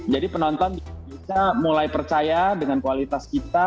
jadi penonton bisa mulai percaya dengan kualitas kita